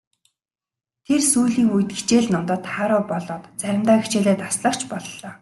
Тэр сүүлийн үед хичээл номдоо тааруу болоод заримдаа хичээлээ таслах ч боллоо.